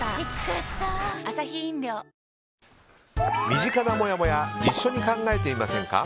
身近なもやもや一緒に考えてみませんか？